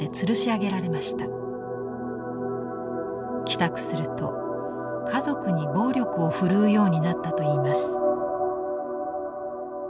帰宅すると家族に暴力を振るうようになったといいます。